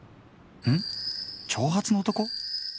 ン長髪の男？